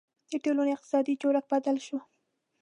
• د ټولنو اقتصادي جوړښت بدل شو.